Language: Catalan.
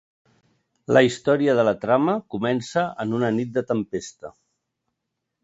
La història de la trama comença en una nit de tempesta.